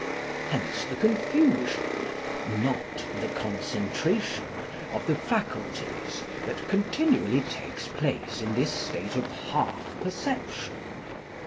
Hence the confusion (not the concentration of the faculties) that continually takes place in this state of half perception.